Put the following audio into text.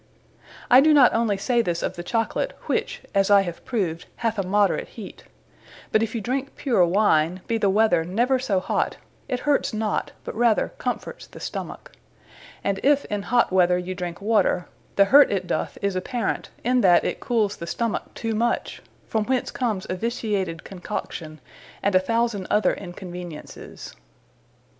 I do not onely say this of the Chocolate, which, as I have proved, hath a moderate heate; But if you drinke pure wine, be the weather never so hot, it hurts not, but rather comforts the stomack; and if in hot weather you drinke water, the hurt it doth is apparant, in that it cooles the stomack too much; from whence comes a viciated Concoction, and a thousand other inconveniences.